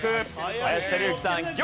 林輝幸さん。